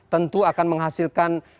tentu akan menghasilkan